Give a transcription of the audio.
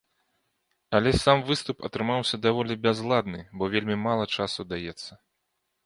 Але сам выступ атрымаўся даволі бязладны, бо вельмі мала часу даецца.